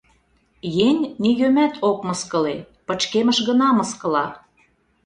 Еҥ нигӧмат ок мыскыле, пычкемыш гына мыскыла...